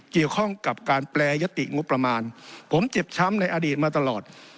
เกี่ยวข้องกับการแปรยติงบประมาณผมเจ็บช้ำในอดีตมาตลอด